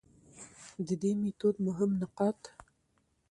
د دې ميتود مهم نقاط: